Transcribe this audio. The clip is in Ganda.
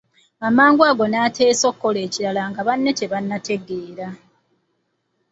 Amangu ago n'ateesa okukola ekirala nga banne tebannaba kutegeera.